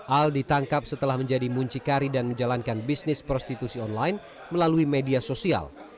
al ditangkap setelah menjadi muncikari dan menjalankan bisnis prostitusi online melalui media sosial